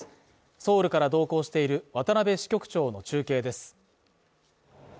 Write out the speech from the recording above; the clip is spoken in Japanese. ソウルから同行している渡辺支局長の中継です。